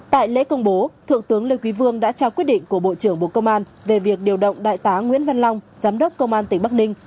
tại lễ công bố thượng tướng lê quý vương đã trao quyết định của bộ trưởng bộ công an về việc điều động đại tá nguyễn văn long giám đốc công an tỉnh bắc ninh